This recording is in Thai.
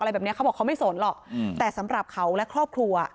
แบบเนี้ยเขาบอกเขาไม่สนหรอกแต่สำหรับเขาและครอบครัว